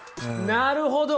なるほど！